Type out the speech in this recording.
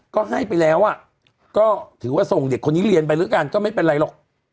ก็ให้ไปแล้วก็ถือว่าส่งเด็กคนนี้เรียนไปด้วยกันก็ไม่เป็นไรหรอก